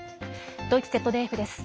ドイツＺＤＦです。